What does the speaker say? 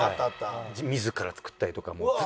自ら作ったりとかもうずっと。